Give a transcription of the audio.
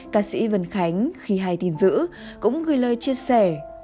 ca sĩ vân khánh khi hay tin giữ cũng gửi lời chia sẻ